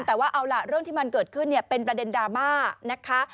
แต่ว่าเอาล่ะเรื่องที่มันเกิดขึ้นเนี่ยเป็นประเด็นดราม่านะคะ